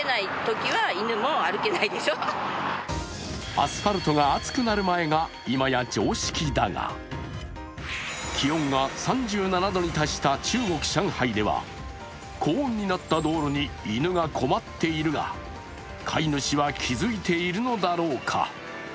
アスファルトが熱くなる前が今や常識だが、気温が３７度に達した中国・上海では高温になった道路に犬が困っているが、飼い主は気付いているのだろうか。